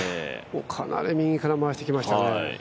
かなり右から回してきましたね。